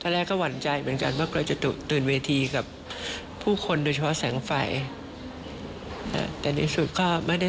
และก็ประหลาดใจด้วยซ้ำ